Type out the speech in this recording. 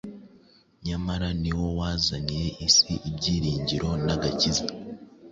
nyamara ni wo wazaniye isi ibyiringiro n’agakiza.